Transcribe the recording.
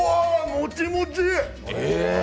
もちもち！